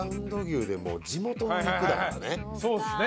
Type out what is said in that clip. そうっすね。